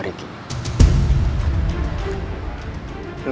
ketica udah bisanya berbrancho